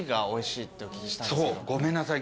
ごめんなさい